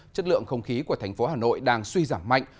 chất lượng không khí của tp hà nội đang suy giảm mạnh